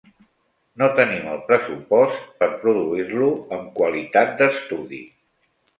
No tenim el pressupost per produir-lo amb qualitat d'estudi.